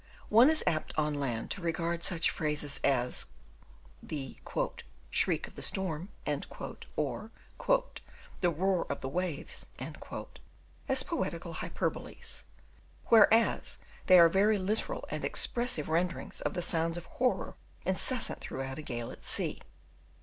One is apt on land to regard such phrases as the "shriek of the storm," or "the roar of the waves," as poetical hyperboles; whereas they are very literal and expressive renderings of the sounds of horror incessant throughout a gale at sea.